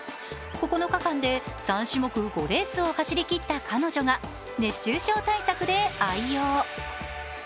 ９日間で３種目５レースを走り切った彼女が熱中症対策で愛用。